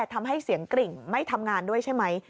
ทำให้เสียงกริ่งไม่ทำงานด้วยใช่ไหม